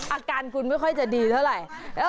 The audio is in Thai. อาการคุณไม่ค่อยจะดีเท่าไหร่